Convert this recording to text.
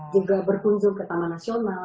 juga berkunjung ke taman nasional